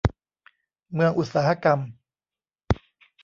เมืองอุตสาหกรรม